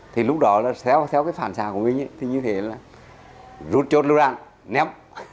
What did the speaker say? thì lúc đó là theo cái phản xạ của mình thì như thế là rút chốt lưu đạn ném